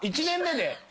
１年目で。